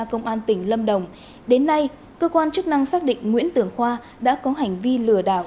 công an tỉnh lâm đồng đến nay cơ quan chức năng xác định nguyễn tường khoa đã có hành vi lừa đảo